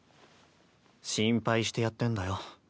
心配してやってんだよ。